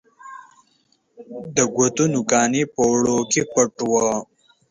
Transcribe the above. د ګوتو نوکان یې په اوړو کې پټ وه